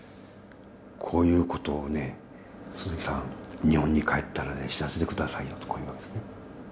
こういうことをね、鈴木さん、日本に帰ったらね、知らせてくださいよと、こういうわけですね。